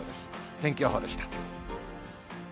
天気予報でした。